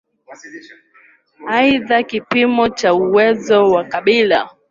Aidha kipimo cha uwezo wa Kabila ni ukubwa wa eneo